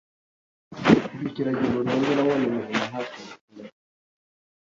mba ikiragi burundu, nabonye ubuzima ntacyo bukimaze